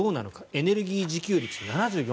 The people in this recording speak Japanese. エネルギー自給率が７４％。